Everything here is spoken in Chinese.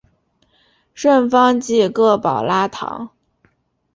圣方济各保拉堂。